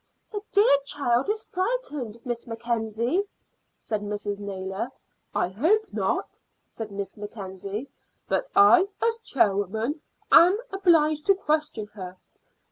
"The dear child is frightened, Miss Mackenzie," said Mrs. Naylor. "I hope not," said Miss Mackenzie; "but I as chairwoman am obliged to question her.